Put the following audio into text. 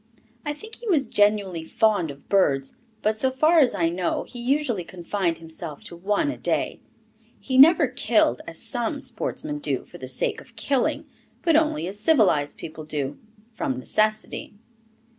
I think he was genuinely fond of birds, but, so far as I know, he usually confined himself to one a day; he never killed, as some sportsmen do, for the sake of killing, but only as civilized people do, from necessity.